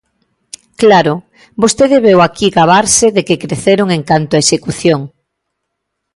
Claro, vostede veu aquí gabarse de que creceron en canto a execución.